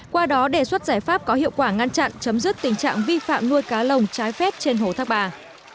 qua đó đề xuất giải pháp có hiệu quả ngăn chặn chấm dứt tình trạng vi phạm nuôi cá lồng trái phép trên hồ thác bà